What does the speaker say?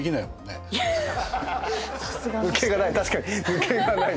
抜けがない！